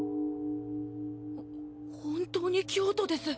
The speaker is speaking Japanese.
本当に京都です！